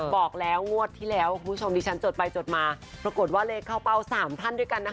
บอกแล้วงวดที่แล้วคุณผู้ชมดิฉันจดไปจดมาปรากฏว่าเลขเข้าเป้า๓ท่านด้วยกันนะคะ